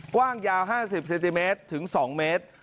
กว้างยาว๕๐เซนติเมตรถึง๒เมตร